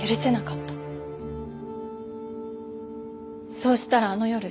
そうしたらあの夜。